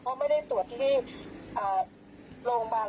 เพราะไม่ได้ตรวจที่โรงพยาบาลรัฐรัฐบาล